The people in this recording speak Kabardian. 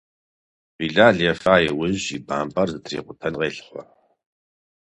Билал ефа иужь и бампӏэр зытрикъутэн къелъыхъуэ.